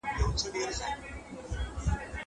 زه به اوږده موده پلان جوړ کړی وم.